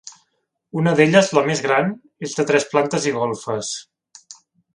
Una d’elles, la més gran, és de tres plantes i golfes.